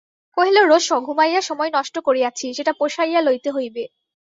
কহিল, রোসো, ঘুমাইয়া সময় নষ্ট করিয়াছি, সেটা পোষাইয়া লইতে হইবে।